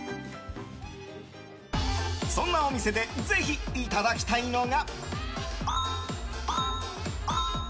そんなお店でぜひ、いただきたいのが。